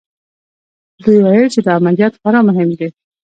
دوی ویل چې دا عملیات خورا مهم دی